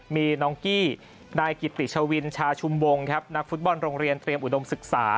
มีน้องกี้นายกิติชวินชาชุมวงครับนักฟุตบอลโรงเรียนเตรียมอุดมศึกษา